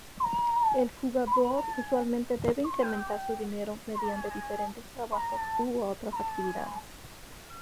El jugador usualmente debe incrementar su dinero mediante diferentes trabajos u otras actividades.